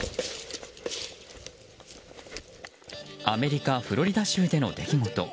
アメリカ・フロリダ州での出来事。